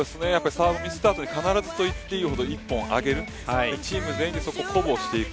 サーブをミスった後に必ずと言っていいほど１本上げるチーム全体で鼓舞していく。